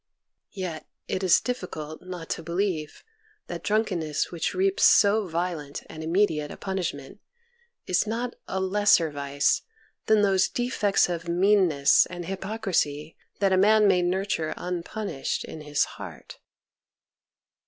Yet it is difficult not to believe that drunken ness which reaps so violent and immediate a punishment is not a lesser vice than those defects of meanness and hypocrisy that a man may nurture unpunished in his heart.